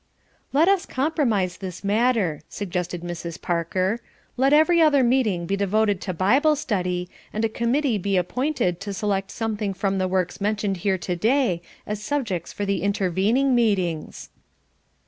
'" "Let us compromise this matter," suggested Mrs. Parker. "Let every other meeting be devoted to Bible study, and a committee be appointed to select something from the works mentioned here to day as subjects for the intervening meetings."